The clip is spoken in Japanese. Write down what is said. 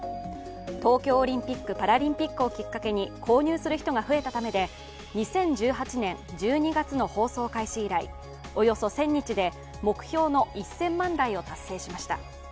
東京オリンピック・パラリンピックをきっかけに購入する人が増えたためで２０１８年１２月の放送開始以来およそ１０００日で目標の１０００万台を達成しました。